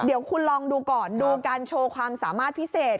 เดี๋ยวคุณลองดูก่อนดูการโชว์ความสามารถพิเศษ